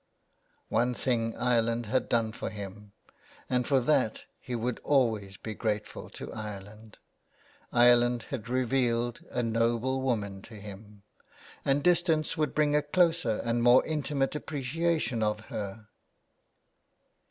One thing Ireland had done for him, and for that he would be always grateful to Ireland — Ireland had revealed a noble woman to him ; and distance would bring a closer and more intimate appreciation of her.